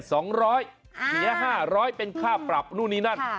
เสีย๕๐๐เป็นค่าปรับนู่นนี่นั่น